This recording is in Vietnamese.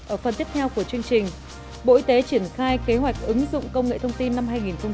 ở phần tiếp theo của chương trình bộ y tế triển khai kế hoạch ứng dụng công nghệ thông tin năm hai nghìn hai mươi